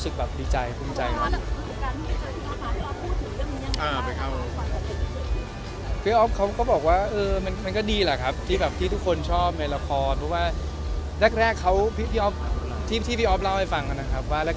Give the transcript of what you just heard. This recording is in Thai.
ด้วยที่ทางช่องก็เหมือนกับจับผัสจับปูว่าจะได้มีโอกาสมาเล่น